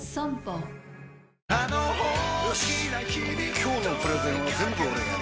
今日のプレゼンは全部俺がやる！